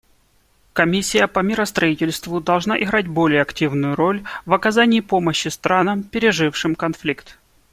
Комиссия по миростроительству должна играть более активную роль в оказании помощи странам, пережившим конфликт.